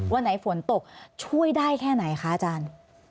วันไหนฝนตกช่วยได้แค่ไหนคะอาจารย์